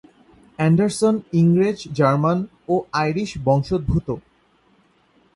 Anderson ইংরেজ, German ও Irish বংশোদ্ভূত।